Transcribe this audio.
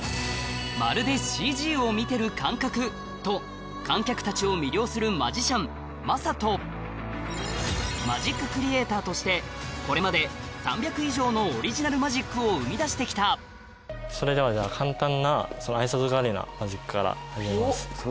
「まるでＣＧを見てる感覚」と観客たちを魅了するマジッククリエイターとしてこれまで３００以上のオリジナルマジックを生み出してきたそれでは簡単な挨拶代わりなマジックから始めます。